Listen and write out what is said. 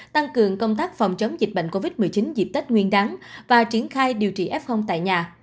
tăng cường công tác phòng chống dịch bệnh covid một mươi chín dịp tết nguyên đáng và triển khai điều trị f tại nhà